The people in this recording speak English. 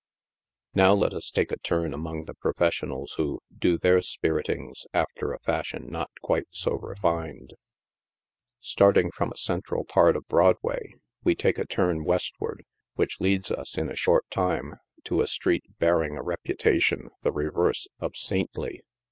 Now let us take a turn among the professionals who " do their spir itings" after a fashion not quite so refined. Starting from a central part of Broadway, we take a turn west ward, which leadi us, in a short time, to a street bearing a reputa tion the reverse of saintly.